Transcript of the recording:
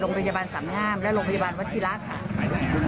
โรงพยาบาลสามงามและโรงพยาบาลวัชิระค่ะ